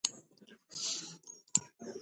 د دې ټولنې غړي له شلو زرو څخه زیات دي.